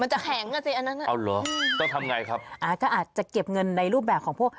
จะแข็งอ่ะสิอันนั้นอ่ะเอาเหรอต้องทำไงครับอ่าก็อาจจะเก็บเงินในรูปแบบของพวก